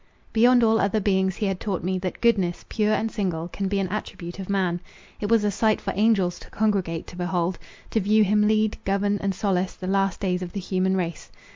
Beyond all other beings he had taught me, that goodness, pure and single, can be an attribute of man. It was a sight for angels to congregate to behold, to view him lead, govern, and solace, the last days of the human race.